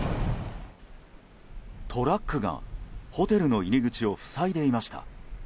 トラックがホテルの入り口を塞いでいました。